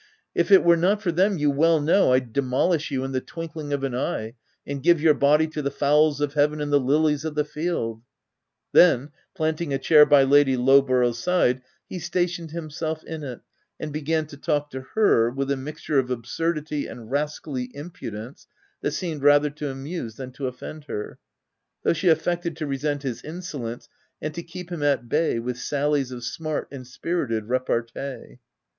« if it 228 THE TENANT were not for them, you well know, Pd demolish you in the twinkling of an eye, and give your body to the fowls of heaven and the lilies of the field W Then, planting a chair by Lady Low borough's side, he stationed himself in it, and began to talk to her, with a mixture of ab surdity and rascally impudence that seemed rather to amuse than to offend her ; though she affected to resent his insolence, and to keep him at bay with sallies of smart and spirited repartee.